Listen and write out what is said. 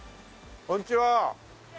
こんにちは！